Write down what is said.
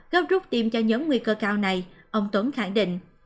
góp rút tiêm cho nhóm nguy cơ cao này ông tuấn khẳng định